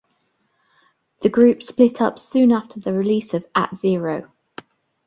The group split up soon after the release of "At Zero".